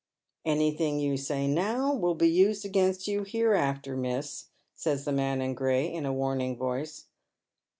" Anything you say now will be used against you hereafter, miss," says the man in gray, in a warning voice.